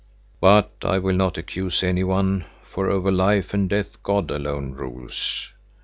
But I will not accuse any one, for over life and death God alone rules.